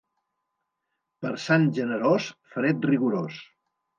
Per Sant Generós fred rigorós.